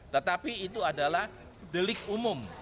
tetapi itu adalah delik umum